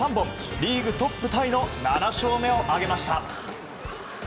リーグトップタイの７勝目を挙げました。